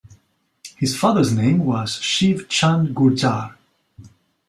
His father's name was Shiv Chand Gurjar.